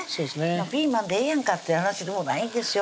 ピーマンでええやんかって話でもないんですよ